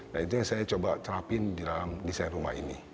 nah itu yang saya coba terapin di dalam desain rumah ini